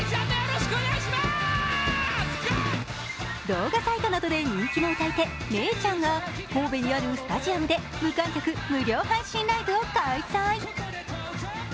動画サイトなどで人気の歌い手・めいちゃんが神戸にあるスタジアムで無観客無料配信ライブを開催。